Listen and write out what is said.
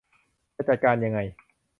จะจัดการยังไง